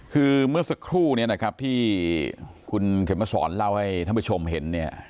คือเมื่อสักครู่เนี่ยนะครับที่คุณเข็มมาสอนเล่าให้ท่านผู้ชมเห็นเนี่ย